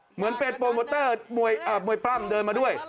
เหมือนเป็นโปรโมเตอร์มวยปล้ำเดินมาด้วย